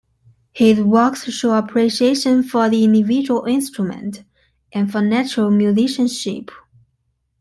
His works show appreciation for the individual instrument and for natural musicianship.